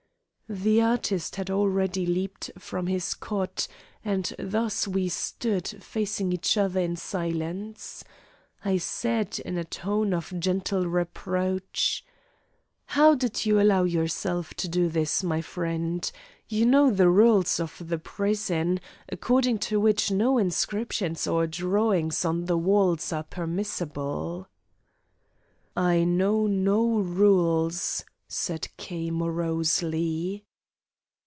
The artist had already leaped from his cot, and thus we stood facing each other in silence. I said in a tone of gentle reproach: "How did you allow yourself to do this, my friend? You know the rules of the prison, according to which no inscriptions or drawing on the walls are permissible?" "I know no rules," said K. morosely.